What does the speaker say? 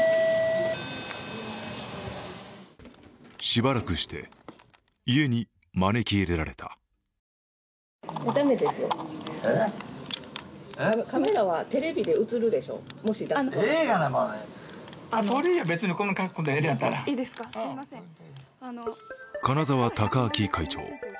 しばらくして、家に招き入れられた金沢孝晃会長。